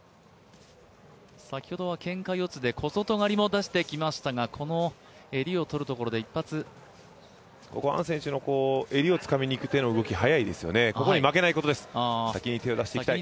先ほどはけんか四つで小外刈りも出してきましたが、襟を取るところで一発アン選手の襟をつかみに行く動きが速いですよね、ここに負けないことです、先に手を出していきたい。